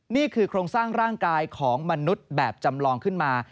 นี่คือโครงสร้างร่างกายของมนุษย์แบบจำลองขึ้นมา